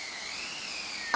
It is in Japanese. あ！